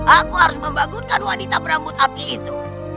aku harus membangunkan wanita berambut api itu